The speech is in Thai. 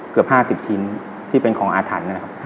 เกือบ๕๐ชิ้นที่เป็นของอาถรรพ์นะครับ